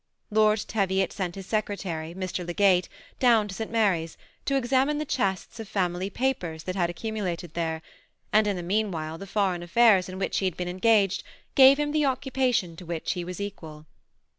Lord Teviot sent his secretary, Mr. Le Geyt, down to St. Mary's, to examine the chests of family papers that had accumulated there, and in the meanwhile the foreign affairs in which he had been engaged gave him all the occupation to which he was equal.